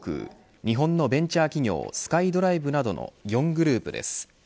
日本のベンチャー企業スカイドライブなどの４グループです。